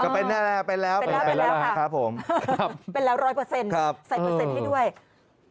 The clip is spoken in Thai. เป็นแล้วค่ะเป็นแล้ว๑๐๐ใส่เปอร์เซ็นต์ให้ด้วย